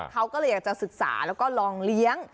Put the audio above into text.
เขาก็เลยอยากจะศึกษาแล้วก็ลองเลี้ยง